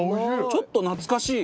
ちょっと懐かしい。